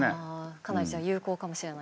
かなりじゃあ有効かもしれない。